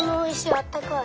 あったかい。